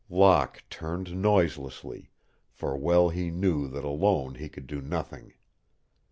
Locke turned noiselessly, for well he knew that alone he could do nothing.